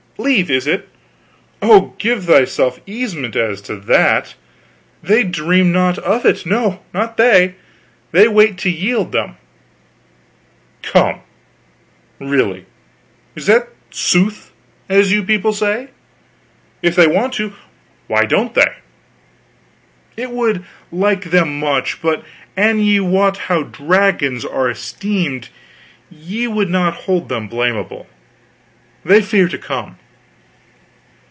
"Leave, is it? Oh, give thyself easement as to that. They dream not of it, no, not they. They wait to yield them." "Come really, is that 'sooth' as you people say? If they want to, why don't they?" "It would like them much; but an ye wot how dragons are esteemed, ye would not hold them blamable. They fear to come."